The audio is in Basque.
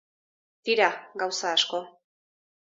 Tira, gauza asko.